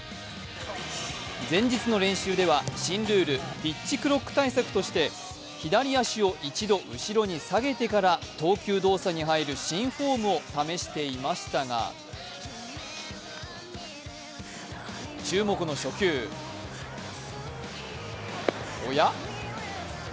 前日の練習では新ルール・ピッチクロック対策として左足を１度後ろに下げてから投球動作に入る新フォームを試していましたが注目の初球おや？